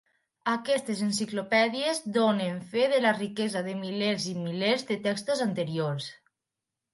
Aquestes enciclopèdies donen fe de la riquesa de milers i milers de textos anteriors.